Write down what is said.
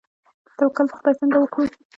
توکل په خدای څنګه وکړو؟